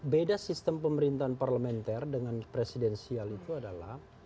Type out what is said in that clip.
beda sistem pemerintahan parlementer dengan presidensial itu adalah